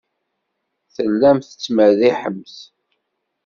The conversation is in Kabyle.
Tellamt tettmerriḥemt.